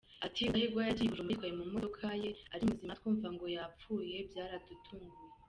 Ati: “Rudahigwa yagiye Bujumbura yitwaye mu modoka ye ari muzima, twumva ngo yapfuye, byaradutunguye”.